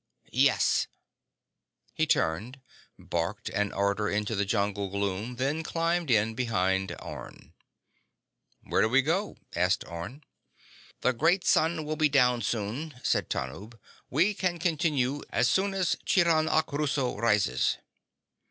"Yes." He turned, barked an order into the jungle gloom, then climbed in behind Orne. "When do we go?" asked Orne. "The great sun will be down soon," said Tanub. "We can continue as soon as Chiranachuruso rises."